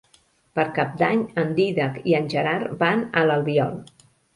Per Cap d'Any en Dídac i en Gerard van a l'Albiol.